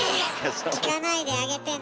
聞かないであげてね。